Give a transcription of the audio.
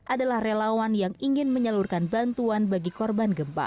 adalah relawan yang ingin menyalurkan bantuan bagi korban gempa